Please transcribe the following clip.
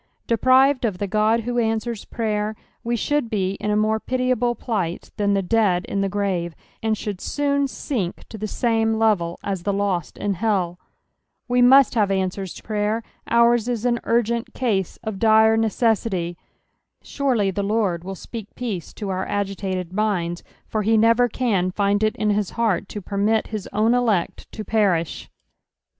Deprived of the God who answers praver, we should be in a more pitiable plight than the dead in the grave, and should soon sink to the same level u tbe lost in hell. We mutt have answers to prayer : onra is an ui^nt case of dire neceauty ; surely the Lord will PSALH THE TWSKTr BTQHTH. 23 stpe&k peace to onr.agit&ted minds, for he never can find it in his bcart to permit bic own elect to perish.